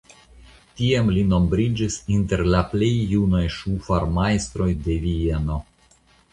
Tiam li nombriĝis inter la plej junaj ŝufarmajstroj de Vieno.